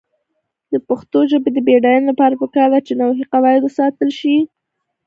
د پښتو ژبې د بډاینې لپاره پکار ده چې نحوي قواعد وساتل شي.